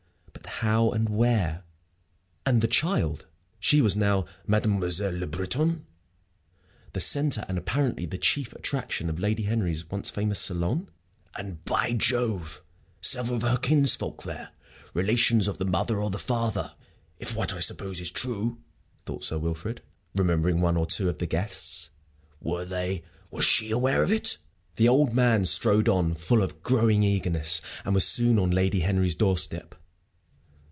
But how, and where? And the child? She was now "Mademoiselle Le Breton "? the centre and apparently the chief attraction of Lady Henry's once famous salon? "And, by Jove! several of her kinsfolk there, relations of the mother or the father, if what I suppose is true!" thought Sir Wilfrid, remembering one or two of the guests. "Were they was she aware of it?" The old man strode on, full of a growing eagerness, and was soon on Lady Henry's doorstep.